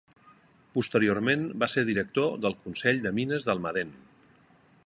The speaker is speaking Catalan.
Posteriorment va ser director del Consell de Mines d'Almadén.